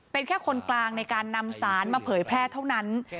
เป็นแค่คนกลางในการนำสารมาเผยแพร่เท่านั้น